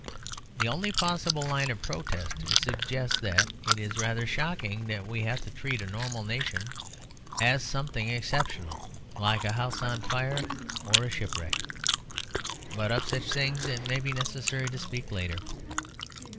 The only possible line of protest is to suggest that it is rather shocking that we have to treat a normal nation as something exceptional, like a house on fire or a shipwreck. But of such things it may be necessary to speak later.